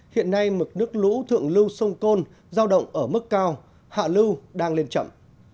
hiện nay mực nước lũ thượng lưu sông côn giao động ở mức cao hạ lưu đang lên chậm